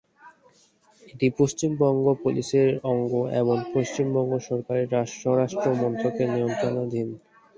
এটি পশ্চিমবঙ্গ পুলিশের অঙ্গ এবং পশ্চিমবঙ্গ সরকারের স্বরাষ্ট্র মন্ত্রকের নিয়ন্ত্রণাধীন।